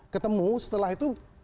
ketemu setelah itu